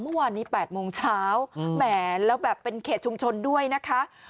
เมื่อวานนี้๘โมงเช้าแหมแล้วแบบเป็นเขตชุมชนด้วยนะคะ